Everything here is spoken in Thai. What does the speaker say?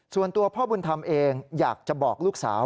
ส่วนตัวพ่อบุญธรรมเองอยากจะบอกลูกสาว